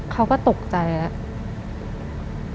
เขาก็ตกใจแล้ว